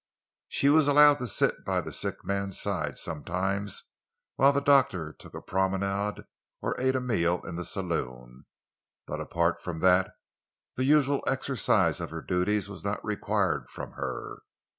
She was allowed to sit by the sick man's side sometimes whilst the doctor took a promenade or ate a meal in the saloon, but apart from that, the usual exercise of her duties was not required from her.